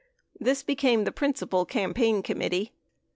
5 This became the principal campaign committee.